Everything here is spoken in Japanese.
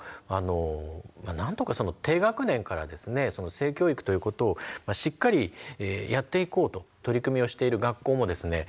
性教育ということをしっかりやっていこうと取り組みをしている学校もですね